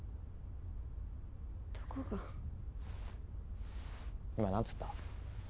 どこが今何つった？